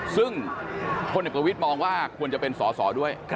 ซึ่งพลเอกประวิทย์มองว่าควรจะเป็นสอสอด้วย